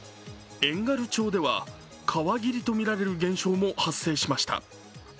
遠軽町では川霧とみられる現象も発生しました。